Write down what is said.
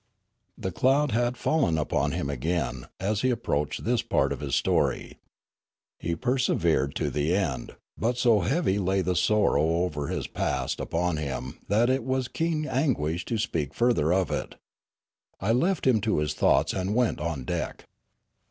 The cloud had fallen upon him again, as he ap proached this part of his story. He persevered to the Noola 413 end ; but so heavy lay the sorrow over his past upon him that it was keen anguish to speak further of it. I left him to his thoughts and went on deck.